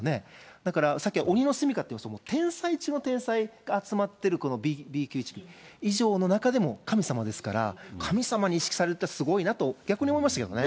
だから、さっき鬼の住みかって、天才中の天才が集まってる、このＢ級１組、以上の中でも神様ですから、神様に意識されるのはすごいなと、逆に思いますよね。